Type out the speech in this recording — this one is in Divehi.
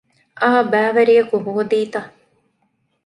އާ ބައިވެރިއަކު ހޯދީތަ؟